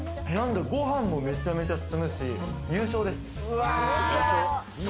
ご飯にもめちゃめちゃ進むし、優勝です。